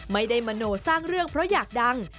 มโนสร้างเรื่องเพราะอยากดัง